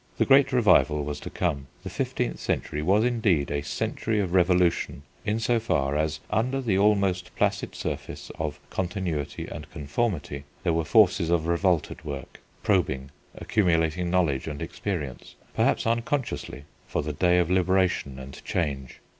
The great revival was to come. The fifteenth century was indeed a century of revolution in so far as under the almost placid surface of continuity and conformity, there were forces of revolt at work, probing, accumulating knowledge and experience, perhaps unconsciously, for the day of liberation and change.